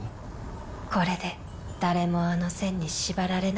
これで誰もあの栓に縛られなくて済む。